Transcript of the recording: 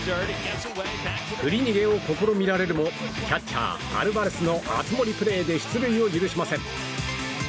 振り逃げを試みられるもキャッチャー、アルバレスの熱盛プレーで出塁を許しません。